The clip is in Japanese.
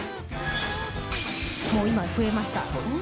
もう今、増えました。